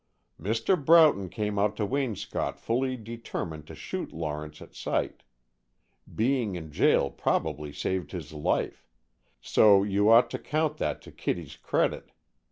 "Mr. Broughton came out to Waynscott fully determined to shoot Lawrence at sight. Being in jail probably saved his life, so you ought to count that to Kittie's credit.